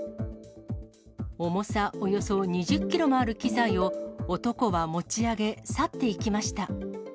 重さおよそ２０キロもある機材を、男は持ち上げ、去っていきました。